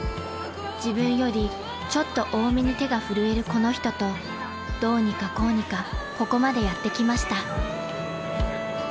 ［自分よりちょっと多めに手が震えるこの人とどうにかこうにかここまでやって来ました］